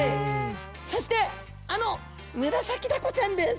そしてあのムラサキダコちゃんです！